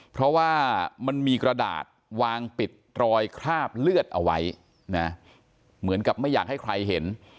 เพราะว่ามันมีกระดาษวางปิดรอยคราบเลือดเอาไว้นะเหมือนกับไม่อยากให้ใครเห็น